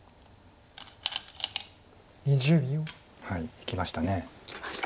いきました。